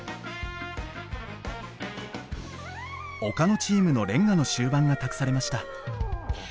岡野チームの連歌の終盤が託されました。